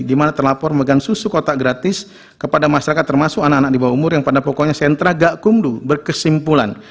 di mana terlapor memegang susu kotak gratis kepada masyarakat termasuk anak anak di bawah umur yang pada pokoknya sentra gak kumdu berkesimpulan